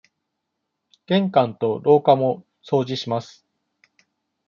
玄関と廊下も掃除します。